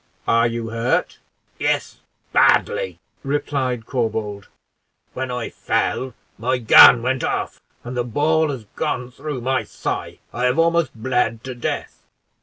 "Are you hurt?" "Yes, badly," replied Corbould; "when I fell, my gun went off, and the ball has gone through my thigh. I have almost bled to death."